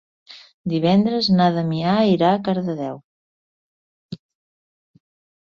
Divendres na Damià irà a Cardedeu.